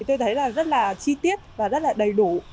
tôi thấy là rất là chi tiết và rất là đầy đủ